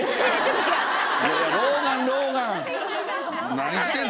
何してんの？